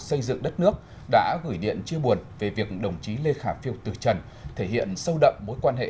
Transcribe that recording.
xây dựng đất nước đã gửi điện chia buồn về việc đồng chí lê khả phiêu từ trần thể hiện sâu đậm mối quan hệ